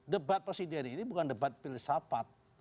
debat presiden ini bukan debat filsafat